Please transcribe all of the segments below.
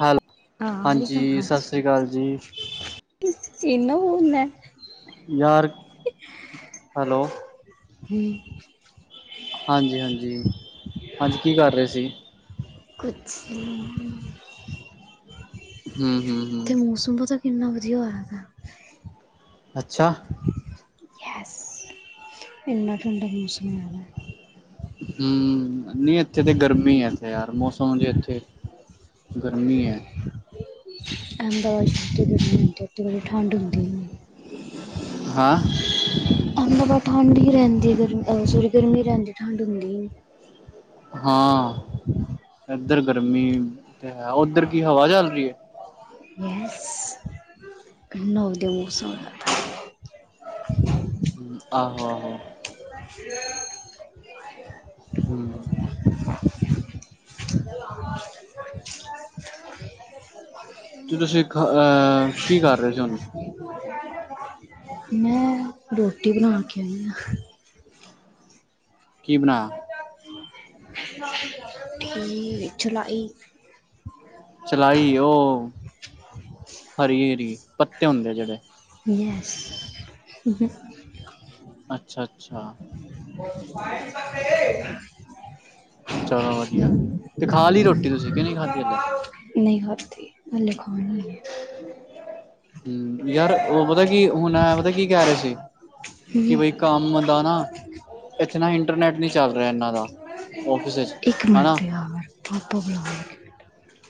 ਹੈਲ ਆਹ ਆਰੀ ਹਾਂਜੀ ਸਤਿ ਹਜ ਸ੍ਰੀ ਅਕਾਲ ਜੀ ਕਿ ਚੇਣਾ ਹੂ ਮੈ। ਯਾਰ ਹੈਲੋ। ਹਮ, ਹਾਂਜੀ, ਹਾਂਜੀ, ਹਾਂਜੀ, ਕੀ ਕਰ ਰਹੇ ਸੀ। ਕੁਛੀ ਨੀ। ਹਮ, ਹਮ, ਹਮ। ਕਿੰਨਾ ਵਧੀਆ ਹੋਆ ਦੇ। ਅੱਛਾ। ਯਸ ਇਨਾਂ ਠੰਡਾ ਮੌਸਮ ਹੈ। ਹਮ ਨਹੀਂ ਇੱਥੇ ਤੇ ਗਰਮੀ ਹੈੱਥੇ ਯਾਰ। ਹਰ ਮੌਸਮ ਦੇ ਇੱਥੇ ਗਰਮੀ ਹੈ। ਅਹਿਮਦਾਬਾਦ ਉਤੇ ਗਰਮੀ ਹੁੰਦੀ ਉੱਥੇ ਬੜੀ ਠੰਡ ਹੁੰਦੀ ਨੀ। ਹਾਂ। ਅਹਿਮਦਾਬਾਦ ਠੰਡ ਹੀ ਰਹਿੰਦੀ ਗਰ ਸੋਰੀ ਗਰਮੀ ਰਹਿੰਦੀ ਠੰਡ ਹੁੰਦੀ ਹੀ ਨਹੀਂ। ਹਾਂ ਇਧਰ ਗਰਮੀ। ਤੇ ਹੈ ਉੱਧਰ ਕੀ ਹਵਾ ਚੱਲ ਰਹੀ ਹੈ। ਯਸ ਏਨਾ ਵਧੀਆ ਮੋਸਮ ਹੋਆ ਦ ਹ ਆਹੋ ਆਹੋ। ਹ [inaudible] ਹਮ। [inaudible] [inaudible] ਤੇ ਤੁਸੀਂ ਅਹ ਕੀ ਕਰ ਰਹੇ ਸੀ ਹੁਣ? ਮੈਂ ਰੋਟੀ ਬਣਾ ਕੇ ਆਈ ਆ। ਕੀ ਬਣਾਇਆ। ਕੀ ਚਲਾਈ। ਚਲਾਈ ਉਹ ਹਰੀ ਹਰੀ ਪੱਤੇ ਹੁੰਦੇ ਆ ਜਿਹੜੇ। ਯੇਸ। ਅੱਛਾ, ਅੱਛਾ [inaudible] ਚਲੋ ਵਧੀਆ ਤੇ ਖਾ ਲਈ ਰੋਟੀ ਤੁਸੀਂ ਕਿ ਨਹੀਂ ਖਾਧੀ ਹਲੇ ਨਹੀਂ - ਹਲੇ ਖਾਣੀ ਹਮ ਏ। ਯਾਰ ਉਹ ਪਤਾ ਕੀ ਹੁਣ ਪਤਾ ਕੀ ਕਹਿ ਰਹੇ ਸੀ ਕਿ ਹਮ, ਬਈ ਕੰਮ ਦਾ ਨਾ। ਇੱਥੇ ਨਾ ਇੰਟਰਨੈਟ ਨੀ ਚੱਲ ਰਿਹਾ ਇਨਾਂ ਦਾ ੳਫਿਸ ਵਿੱਚ ਇੱਕ ਹਣਾ। ਮਿੰਟ ਯਾਰ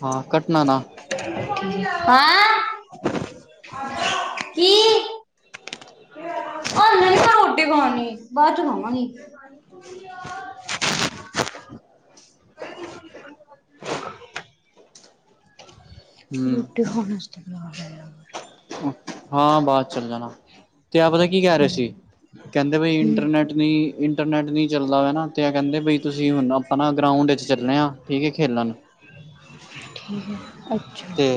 ਹਾਂ। ਕੱਟਣਾ ਨਾ ਠੀਕ, ਹੈਂ ਕੀ [unintelligible] ਹ [inaudible] ਰੋਟੀ ਖਾਣੀ ਬਾਅਦ ਚ ਖਾਵਾਂਗੀ। [inaudible] ਹਮ ਰੋਟੀ ਖਾਣ 'ਤੇ ਬਿਆਰ ਹੈਆ [inaudible] ਹਾਂ ਬਾਅਦ ਚੱਲ ਜਾ ਗਾ ਤੇ ਆ ਪਤਾ ਕੀ ਕਹਿ ਰਹੇ ਸੀ। ਕਹਿੰਦੇ ਬ ਹੂੰ ਇੰਟਰਨੈਟ ਨਹੀਂ ਇੰਟਰਨੈਟ ਨ ਚੱਲਦਾ ਵ ਨਾ ਤੇ ਕਹਿੰਦੇ ਬਈ ਤੁਸੀਂ ਹੁਣ ਆਪਣਾ ਗਰਾਊਂਡ ਈ ਚੱਲੇ ਆ ਠੀਕ ਹੈ ਖੇਲਣ ਠੀਕ ਹੈ ਅੱਛਾ ਤੇ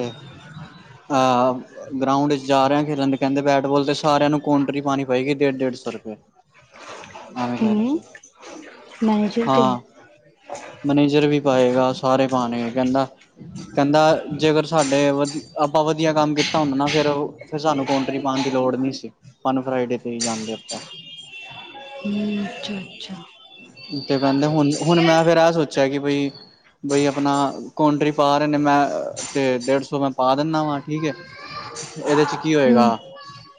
ਅਹ ਗਰਾਊਂਡ ਚ ਜਾ ਰਿਹਾ ਖੇਲਣ ਦੇ ਕਹਿੰਦੇ ਬੈਟਬਾਲ ਤੇ ਸਾਰਿਆਂ ਨੂੰ ਕਾਂਟਰੀ ਪਾਉਣੀ ਪਏਗੀ ਡੇਢ ਡੇਢ ਸੌ ਰੁਪਏ ਐਵੇ ਕਹਿ ਰਹਿ ਹੂੰ ਸੀ ਮੈਨੇਜਰ ਤੇ ਹਾਂ ਮਨੇਜਰ ਵੀ ਪਾਏਗਾ ਸਾਰੇ ਪਾਣੇ ਕਹਿੰਦਾ ਕਹਿੰਦਾ ਜੇਕਗਰ ਸਾਡੇ ਵਧੀ ਆਪਾਂ ਵਧੀਆ ਕੰਮ ਕੀਤਾ ਹੁੰਦਾ ਨਾ ਫੇਿਰ ਫਿਰ ਸਾਨੂੰ ਕੌਟਰੀ ਪਾਉਣ ਦੀ ਲੋੜ ਨੀ ਸੀ ਸਾਨੂੰ ਫਰਾਈਡੇ ਤੇ ਹੀ ਜਾਂਦੇ ਆਪ [unintelligible] ਹਮ ਅੱਛਾ ਅੱਛਾ ਤੇ ਕਹਿੰਦੇ ਹੁਣ ਹੁਣ ਮੈਂ ਫੇਿਰ ਆ ਸੋਚਿਆ ਕਿ ਬਈ ਬਈ ਆਪਣਾ ਕੰਟਰੀ ਪਾ ਰਹੇ ਨੇ ਮੈਂ ਤੇ ਡੇਢ ਸੌ ਮੈਂ ਪਾ ਦਿੰਦਾ ਵਾਂ ਠੀਕ ਹੈ ਇਹਦੇ ਚ ਕੀ ਹੋਏਗਾ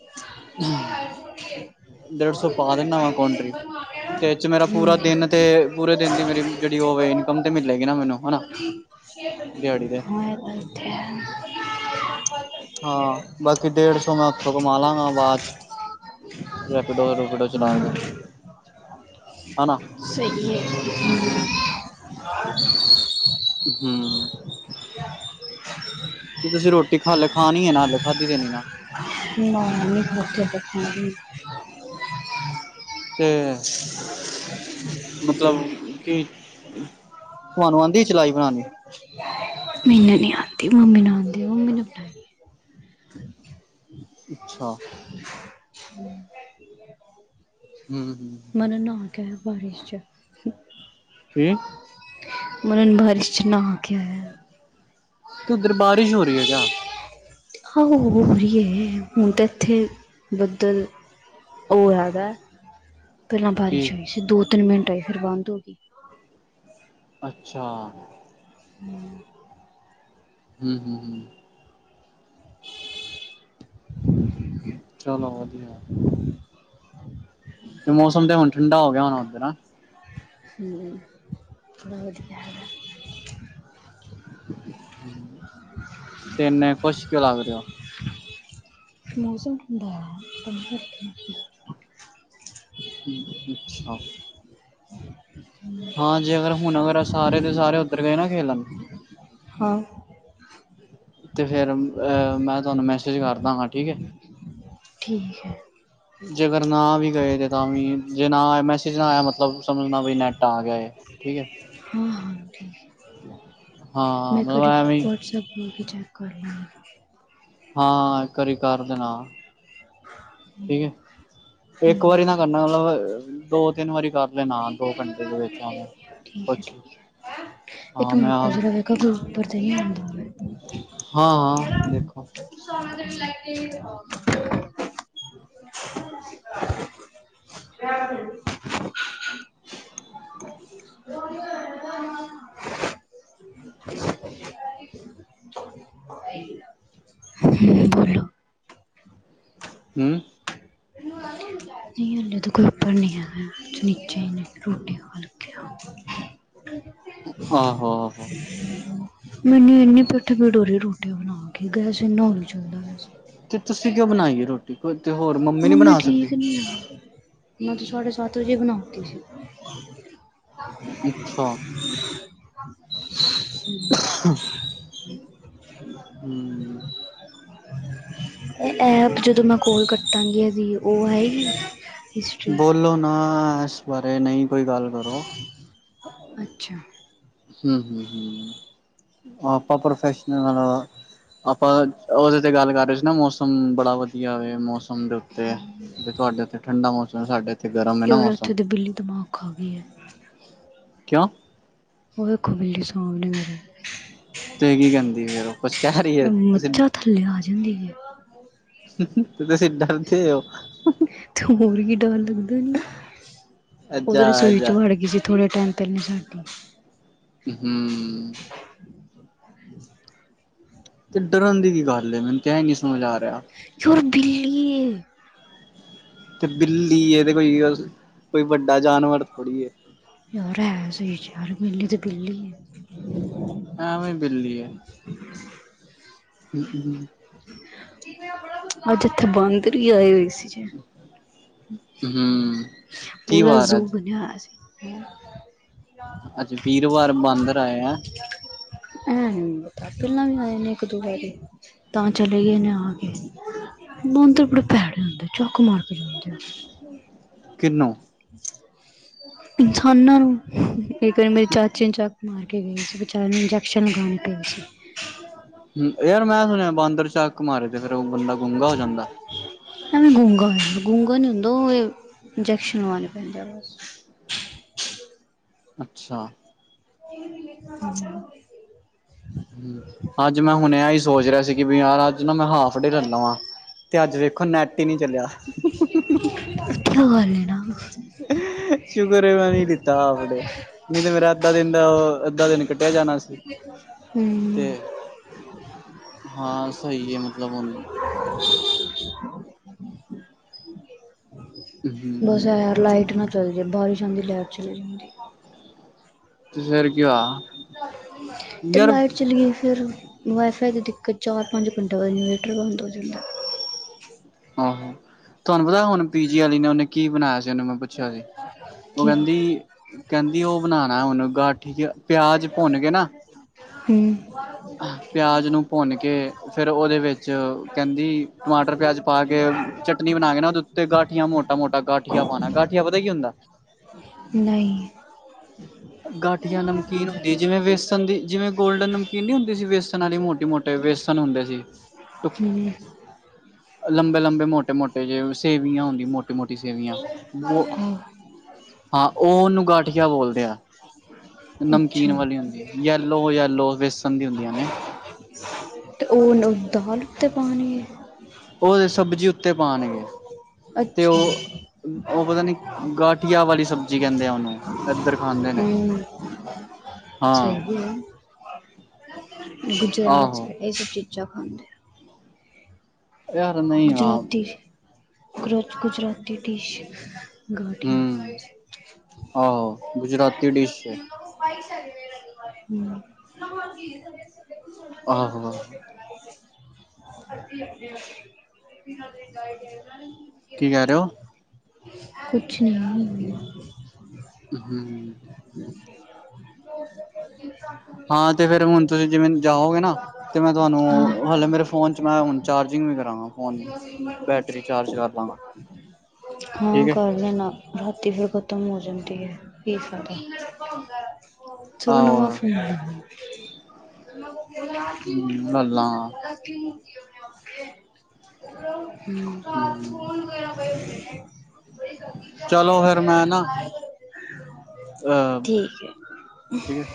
ਮਣਾ ਡੇਢ ਸੌ ਪਾ ਦਿੰਦਾ ਵਾਂ ਕੌਂਟਰੀ ਤੇ [unintelligible] ਮੇਰਾ ਪੂਰਾ ਦਿਨ ਤੇ ਪੂਰੇ ਦਿਨ ਦੀ ਮੇਰੀ ਜਿਹੜੀ ਉਹਵੇ ਇਨਕਮ ਤੇ ਮਿਲੇਗੀ ਨਾ ਮੈਨੂੰ ਹਨਾ ਦਿਹਾੜੀ ਤੇ ਹੋਰ ਬੱਠੇ ਹ ਹਾਂ ਬਾਕੀ ਡੇਢ ਸੌ ਮੈਂ ਉੱਥੋਂ ਕਮਾ ਲਾਂਗਾ ਬਾਵਾਦ ਚ ਰੈਪਿਡੋ ਰੂਪੀਡੋ ਚਲਾ ਕੇ ਹੂੰ ਹੈ ਨਾ ਸਹੀ ਹੈ ਹਮ ਤੇ ਤੁਸੀਂ ਰੋਟੀ ਖਾਲ ਖਾਣੀ ਹੈ ਨਾ ਹੱਲ ਖਾਧੀ ਦੇਣੀ ਨਾ ਨਾ ਹਾਲੇ ਨੀ ਖਦੀ ਹਾਲੇ ਖਾਣੀ ਹ ਤੇ ਮਤਲਬ ਕੀ ਤੁਹਾਨੂੰ ਅੰਦੀ ਮੈਨੂੰ ਨੀ ਯਦ ਅਤੇ ਮੰਮੀ ਨੇ ਆਉਦੀ ਮੰਮੀ ਨੇ ਬਣਾਏ ਅੱਛਾ ਹਮ ਹਮ ਮਨਨ ਨਹਾ ਬਾਰਿਸ਼ ਚ ਕੀ ਮਨਨ ਭਰੀਸ਼ ਨਹਾ ਕੇ ਤੇ ਉੱਧਰ ਬਾਰਿਸ਼ ਹੋ ਰਹੀ ਹੈ ਕਿਆ ਹਾਂ ਹੋ ਰਹੀ ਹੈ ਹੁਣ ਤਾਂ ਇੱਥੇ ਬੱਦਲ ਉਹ ਹੈਗਾ ਪਹਿਲਾਂ ਕੀ ਬਾਰਿਸ਼ ਆਈ ਸੀ ਦੋ ਤਿੰਨ ਘਿੰਟ ਆਈ ਫਿਰ ਬੰਦ ਹੋ ਗਈ ਅੱਛਾ ਹਮ ਹਮ ਹਮ ਹਮ [inaudible] ਚਲੋ ਵਧੀਆ [inaudible] ਤੇ ਮੌਸਮ ਤੇ ਹੁਣ ਠੰਡਾ ਹੋ ਗਿਆ ਹੋੁਣਾ ਉੱਧਰ ਆ ਹਮ ਬਹੁਤ ਗਿਆ ਹੈ ਤੇਨੇ ਖਸ਼ ਕਿਉ ਲਾਗ ਰਓ ਮੌਸਮ ਠੰਡਾ ਹੋਇਆ ਹਮ ਅੱਛਾ ਹਾਂ ਜੇ ਅਗਰ ਹੁਣ ਅਗਰ ਸਾਰੇ ਦੇ ਸਾਰੇ ਉੱਧਰ ਗਏ ਨਾ ਖੇਲਣ ਹਾਂ ਤੇ ਫੇਿਰ ਅਹ ਮੈਂ ਤੁਹਾਨੂੰ ਮੈਸੇਜ ਕਰਦਾ ਹਾਂ ਠੀਕ ਹੈ ਠੀਕ ਹੈ ਜੇ ਅਗਰ ਨਾ ਵੀ ਗਏ ਤੇ ਤਾਂ ਵੀ ਜੇ ਨਾ ਮੈਸੇਜ ਨਾ ਆਇਆ ਮਤਲਬ ਸਮਝਣਾ ਵੀ ਨੈਟ ਆ ਗਿਆ ਠੀਕ ਹੈ ਹਾਂ ਹਾਂ ਹਾਂ ਮੈਂ ਮਤਲਬ ਕਰ ਐਵੇਂ ਵਟਸਐਪ ਇਹ ਵੀ ਚੈੱਕ ਕਰ ਲੈਂਗੇ। ਹਾਂ ਘਰੇ ਕਰ ਦੇ ਨਾ ਠੀਕ ਏ। ਇੱਕ ਹਮ ਵਾਰੀ ਨਾ ਕਰਨਾ ਮਤਲਬ ਦੋ ਤਿੰਨ ਵਾਰੀ ਕਰ ਲੈਣਾ ਦੋ ਘੰਟੇ ਦੇ ਵਿੱਚ ਐਵੇਂ ਠੀਕ ਹੈ ਕੁਛ ਠੀਕ ਹਾਂ ਇਕ ਮਿੰਟ ਮੈਂ ਆ ਰੁੱਕੋ ਜਰਾ ਵੇਖਾ ਕੋਈ ਉਪਰ ਤੇ ਨ ਆਉਂਦਾ। ਹਾਂ- ਹਾਂ ਦੇਖੋ। [unintelligible] [inaudible] [inaudible] ਹਮ [inaudible] ਬਲੋ ਹਨਾ ਜਦੋਂ ਕੋਈ ਉਪਰ ਨ 'ਚ ਨੀਚੇ ਰੋਟੀ ਖਾਂ ਲਗੇ ਆ। ਆਹੋ ਆਹੋ। [inaudible] ਮੈਨੂੰ ਇਨੀ ਪਿੱਠ ਪੀੜ ਰਹੀ ਰੋਟੀ ਬਣਾ ਕੇ ਗੈਸ ਇੰਨਾ ਹੌਲੀ ਚਲਦਾ ਪਿਆ ਸੀ। ਤੇ ਤੁਸੀਂ ਕਿਉਂ ਬਣਾਈ ਹੈ ਰੋਟੀ ਤੇ ਹੋਰ ਨੀ ਮੰਮੀ ਬਣਾ ਸਕਦੀ ਠੀਕ ਨਹੀਂ ਆ। ਮੈਂ ਤੋਂ ਸਾਢੇ ਸੱਤ ਵਜੇ ਬਣਾਤੀ ਸੀ। ਅੱਛਾ ਹ [inaudible] ਹੂੰ ਇਹ ਐਪ ਜਦੋਂ ਮੈਂ ਕੋਲ ਕਟਾਂਗੀ ਦੀ ਉਹ ਆਏਗੀ। ਹਿਸਟਰੀ ਬੋਲੋ ਨਾ ਇਸ ਬਾਰੇ ਨਹੀਂ ਕੋਈ ਗੱਲ ਕਰੋ। ਅੱਛਾ ਹੂੰ -ਹੂੰ- ਹੂੰ ਆਪਾਂ ਪ੍ਰੋਫੈਸ਼ਨਲ ਆਲਾ। ਆਪਾਂ ਉਹਦੇ ਤੇ ਗੱਲ ਕਰ ਰਹੇ ਸੀ ਨਾ ਮੌਸਮ ਬੜਾ ਵਧੀਆ ਹੋ ਮੌਸਮ ਮੌਸਮ ਦੇ ਉੱਤੇ ਵੀ ਤੁਹਾਡੇ ਉੱਥੇ ਠੰਡਾ ਮੌਸਮ ਹੈ ਸਾਡੇ ਇੱਥੇ ਗਰਮ ਹੈ ਕਿ ਨਾ ਵਾਰ ਮੌਸਮ ਉੱਥੋਂ ਦੇ ਬਿੱਲੀ ਦਿਮਾਗ ਖਾ ਗਈ ਏ। ਕਿਉਂ ਉਹ ਦੇਖੋ ਬਿੱਲੀ ਸੌਣ ਡੀ ਮੇਰੀ ਤੇ ਕੀ ਕਹਿੰਦੀ ਫੇਰ ਉਹ ਕੁੱਛ ਕਹਿ ਰਹੀ ਹੈ ਤੁਸੀਂ ਮੱਝਾਂ ਥੱਲੇ ਆ ਜਾਂਦੀ ਹੈ [inaudible] ਸੀ ਡਰ ਤੇ ਹੋ। ਦ ਉਹੋਂ ਅੱਛਾ ਰਸੋਈ 'ਚ ਅੱਛਾ ਵੜ ਗਈ ਸੀ ਥੋੜੇ ਟਾਈਮ ਪਹਿਲੇ ਸਾ ਹੂੰ ਤੇ ਡਰਨ ਦੀ ਕੀ ਗੱਲ ਮੈਨੂੰ ਤੇ ਇਹ ਨੀ ਸਮਝ ਆ ਰਿਹਾ। ਛੋਰ ਬਿੱਲੀ ਏ। ਤੇ ਬਿੱਲੀ ਤੇ ਕੋਈ- ਕੋਈ ਵੱਡਾ ਜਾਨਵਰ ਥੋੜ੍ਹੀ ਯਾਰ ਹੈ ਸਹੀ ਯਾਰ ਬਿੱਲੀ ਤੇ ਬਿੱਲੀ ਏ। ਐਵੇ ਬਿਲੀ ਏ। [inaudible] [inaudible] [inaudible] ਅੱਜ ਇੱਥੇ ਬਾਂਦਰ ਹੀ ਆਏ ਹੋਏ ਸੀ ਜੇ ਹੂੰ ਕੀ ਪੂਰਾ ਵਾਰ ਜ਼ੂ ਅੱਜ ਬਣਿਆ ਸੀ। ਅੱਜ ਵੀਰਵਾਰ ਬਾਂਦਰ ਆਏ ਆ। ਇਹ ਨੀ ਪਤਾ ਪਹਿਲਾਂ ਵੀ ਆਏ ਨੇ ਇੱਕ ਦੁਪਹਿਰੀ ਤਾਂ ਚਲੇ ਗਏ ਨੇ ਆ ਕੇ ਬੰਦਰ ਬੜੇ ਭੈੜੇ ਹੁੰਦੇ ਚੱਕ ਮਾਰ ਕੇ ਜਾਂਦੇ। ਆ। ਕਿੰਨੋਂ ਇਨਸਾਨਾਂ ਨੂੰ ਇਹ ਕਰ ਮੇਰੇ ਚਾਚੇ ਨੂੰ ਚੱਕ ਮਾਰ ਕੇ ਗਏ ਸੀ ਬਚਾਰੇ ਨੂੰ ਇੰਜੈਕਸ਼ਨ ਲਗਾਣੇ ਪਏ ਸੀ। [inaudible] ਹੂੰ ਯਾਰ ਮੈਂ ਸੁਣਿਆ ਬਾਂਦਰ ਚੱਕ ਮਾਰੇ ਤੇ ਫੇਰ ਉਹ ਬੰਦਾ ਗੂੰਗਾ ਹੋ ਜਾਂਦਾ। ਐਵੇ ਗੂੰਗਾ ਹੋਇਆ ਗੂੰਗਾ ਨੀ ਹੁੰਦਾ ਉਹ ਇੰਜੈਕਸ਼ਨ ਲਵਾਣੇ ਪੈਂਦਾ ਵ [inaudible] ਅੱਛਾ। [unintelligible] ਹੁੰ। ਹੁੰ, ਅੱਜ ਮੈਂ ਹੁਨੇ ਏ ਈ ਸੋਚ ਰਿਹਾ ਸੀ ਕਿ ਵੀ ਯਾਰ ਅੱਜ ਨਾ ਮੈਂ ਹਾਫ ਡੇ ਲੈ ਲਦਾ ਵਾਂ। ਤੇ ਅੱਜ ਦੇੇਖੋ ਨੈਟ ਈ ਨਈ ਚੱਲਿਆ। [unintelligible] ਸ਼ੁਕਰ ਏ ਮੈਂ ਨੀ ਲਿੱਤਾ ਆਫ ਡੇ ਨੀ ਤੇ ਮੇਰਾ ਅੱਧਾ ਦਿਨ ਦਾ ਅ ਅੱਧਾ ਦਿਨ ਕੱਟਿਆ ਜਾਨਾ ਸੀ। ਹੂੰ। ਤੇ ਹਾਂ ਸਹੀ ਐ ਮਤਲਬ ਹੁਣ ਬਸ ਹਮ ਐ ਆਂ ਲਾਈਟ ਨਾ ਚੱਲ ਜੇ ਬਾਰਿਸ਼ ਆਂਦੀ ਲੈਟ ਚਲੀ ਜਾਂਦੀ। ਤੇ ਫੇਰ ਕੀ ਹੋਇਆ ਤੇ ਯਾਰ ਲਾਈਟ ਚਲੀ ਗਈ। ਫੇਰ ਵਾਈ ਫਾਈ ਦੀ ਦਿੱਕਤ ਚਾਰ ਪੰਜ ਘੰਟੇ ਬਾਅਦ ਇਨਵਰਟਰ ਬੰਦ ਹੋ ਜਾਂਦਾ। ਆਹੋ, ਤੁਹਾਨੂੰ ਪਤਾ ਹੁਨ ਪੀਜੀ ਵਾਲੀ ਨੇ ਉਹਨੇ ਕੀ ਬਨਾਂਇਆ ਸੀ, ਉਹਨੂੰ ਮੈਂ ਪੁੱਛਿਆ ਸੀ। ਉਹ ਕੀ ਹੂੰ ਕੇਂਦੀ-ਕੇਂਦੀ ਉਹ ਬਨਾਨਾ ਹਨੂੰ ਗਾਠੀ, ਪਿਆਜ ਭੁੰਨ ਕੇ ਨਾ ਹੂੰ। ਅਹ, ਪਿਆਜ ਨੂੰ ਭੁੰਨ ਕੇ, ਫੇਰ ਉਹਦੇ ਵਿੱਚ ਕੇਂਦੀ, ਟਮਾਟਰ ਪਿਆਜ ਪਾ ਕੇ ਚਟਨੀ ਬਨਾ ਕੇ ਨਾ ਉਹਦੇ ਉੱਤੇ ਗਾਠੀਆਂ ਮੋਟਾ-ਮੋਟਾ ਗਾਠੀਆ ਪਾਂਨਾ, ਗਾਠੀਆ ਪਤਾ ਕੀ ਹੁੰਦਾ। ਨਈ। ਗਾਠੀਆ ਨਮਕੀਨ ਹੁੰਦੀ ਏ ਜਿਵੇਂ ਵੇਸਨ ਦੀ, ਜਿਵੇਂ ਗੋਲਡਨ ਨਮਕੀਨ ਨੀ ਹੁੰਦੀ ਸੀ ਵੇਸਨ ਆਲੀ ਮੋਟੇ-ਮੋਟੇ ਵੇਸਨ ਹੁੰਦੇ ਸੀ। ਹੂੰ। ਲੰਬੇ-ਲੰਬੇ ਮੋਟੇ-ਮੋਟੇ ਜੇ ਸੇਵੀਆਂ ਹੁੰਦੀਆਂ ਮੋਟੀ-ਮੋਟੀ ਸੇਵੀਆਂ। ਬੋ, ਆਹੋ ਹਾਂ ਓਹਨੂੰ ਗਟ ਠੀਆ ਬੋਲਦੇ ਆ। ਨਮਕੀਨ ਅੱਛਾ ਵਾਲੀ ਹੁੰਦੀ, ਯੈਲੋ-ਯੈਲੋ ਵੇਸਨ ਦੀ ਹੁੰਦੀਆਂ ਨੇ। ਤੇ ਉਹਨੂੰ ਦਾਲ ਉਤੇ ਪਾਨੀ ਏ। ਉਹਦੇ ਸਬਜ਼ੀ ਉੱਤੇ ਪਾਨਗੇ। ਅੱਛਾ। ਨੀ ਗਾਠੀਆ ਵਾਲੀ ਸਬਜ਼ੀ ਕਹਿੰਦੇ ਆ ਉਹਨੂੰ ਇੱਧਰ ਖਾਂਦੇ ਨੇ ਹੂੰ, ਹਾਂ ਸਹੀ ਏ। ਗੁਜਰਾਤ ਚ ਆਹੋ ਇਹ ਸਭ ਚੀਜ਼ਾਂ ਖਾਂਦੇਏ। ਵਿਆਹ ਕਰਨਾ ਹੀ ਹੈਗਾ, ਹਾ। ਗੋਚ ਗੁਜਰਾਤੀ ਡਿਸ਼ ਗਾਠੀਆਂ। ਹਮ ਆਹੋ ਗੁਜਰਾਤੀ ਡਿਸ਼ ਐ। [unintelligible] ਆਹੋ। [unintelligible] ਕੀ ਕੇ ਰੇ ਓ। ਕੁਛ ਨਈ । ਹੁੰ। [inaudible] ਹਾਂ ਤੇ ਫੇਰ ਹੁਣ ਤੁਸੀਂ ਜਿਵੇਂ ਜਾਓਗੇ ਨਾ, ਤੇ ਮੈਂ ਤੁਹਾਨੂੰ ਹਾਲੇ ਮੇਰੇ ਫੋਨ 'ਚ ਮੈਂ ਹੁਣ ਚਾਰਜਿੰਗ ਫਿਰ ਕਰਾਂਗਾ ਫੋਨ, ਬੈਟਰੀ ਚਾਰਜ ਕਰ ਲਾਂ ਨਾ। ਹਾਂ ਕਰ ਲੈਨਾ। ਤੇ ਫਿਰ ਖਤਮ ਹੋ ਜਾਂਦੀ ਹੈ, ਫੇਰ ਸਾਡਾ ਜਦੋਂ ਆਹੋ ਨਵਾਂ ਫੋਨ [unintelligible] ਮਹੱਲਾ ਹਮ [unintelligible] ਚਲੋ, ਫੇਰ ਮੈਂ ਨਾ ਅਹ, ਠੀਕ ਹੈ। ਠੀਕ ਹੈ।